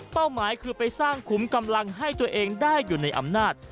หมายคือไปสร้างขุมกำลังให้ตัวเองได้อยู่ในอำนาจ